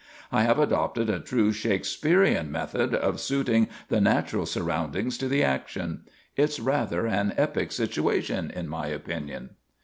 I have adopted a true Shakespearean method of suiting the natural surroundings to the action. It's rather an epic situation, in my opinion.